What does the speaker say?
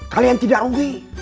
kalian tidak ugi